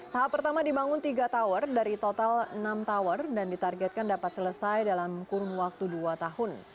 tahap pertama dibangun tiga tower dari total enam tower dan ditargetkan dapat selesai dalam kurun waktu dua tahun